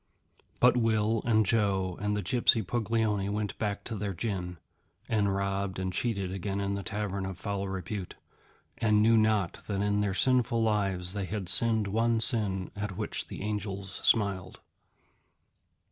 But Will and Joe and the gypsy Puglioni went back to their gin, and robbed and cheated again in the tavern of foul repute, and knew not that in their sinful lives they had sinned one sin at which the Angels smiled.